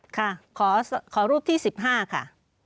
ค่ะขอรูปที่๑๕ค่ะ